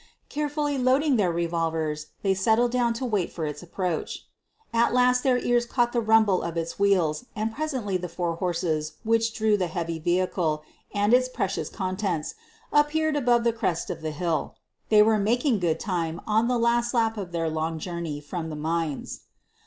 Carefully loading their revolvers they settled down to wait for its approach. At last their ears caught the rumble of its wheels and presently the four horses which drew the heavy vehicle and its precious contents appeared above the crest of the hill. They were making good time on the last lap of their long journey from the mines.